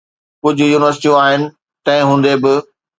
ڪجهه يونيورسٽيون آهن، تنهن هوندي به.